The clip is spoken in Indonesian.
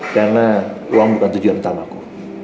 karena uang bukan tujuan utamaku